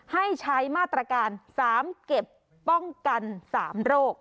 ให้ใช้มาตรการ๓เก็บป้องกัน๓โรค